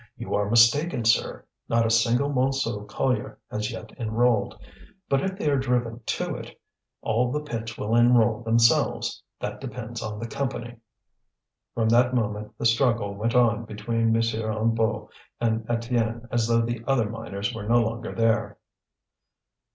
"You are mistaken, sir. Not a single Montsou collier has yet enrolled. But if they are driven to it, all the pits will enroll themselves. That depends on the Company." From that moment the struggle went on between M. Hennebeau and Étienne as though the other miners were no longer there.